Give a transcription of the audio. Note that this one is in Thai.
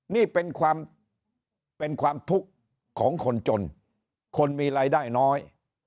นี่เป็นความเป็นความทุกข์ของคนจนคนมีรายได้น้อย